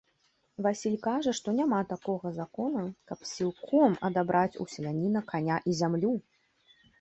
Васіль кажа, што няма такога закона, каб сілком адабраць у селяніна каня і зямлю.